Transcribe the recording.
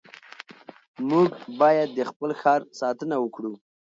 موږ باید د خپل ښار ساتنه وکړو.